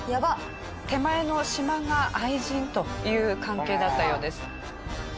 手前のしまが愛人という関係だったようです。